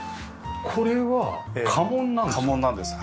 これは家紋なんです？